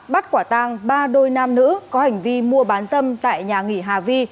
bắt quả tang ba đôi nam nữ có hành vi mua bán dâm tại nhà nghỉ hà vi